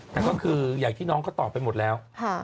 แต่ก็คืออย่างที่น้องเขาตอบไปหมดแล้ว